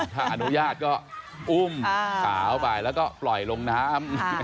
ถ้าอนุญาตก็อุ้มขาวไปแล้วก็ปล่อยลงน้ำ